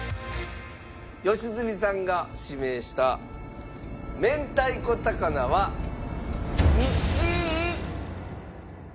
良純さんが指名した明太子高菜は１位。